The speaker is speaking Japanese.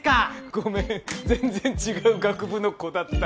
ごめん全然違う学部の子だった。